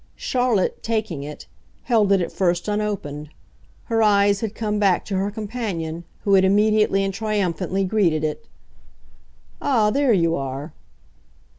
Charlotte, taking it, held it at first unopened. Her eyes had come back to her companion, who had immediately and triumphantly greeted it. "Ah, there you are!"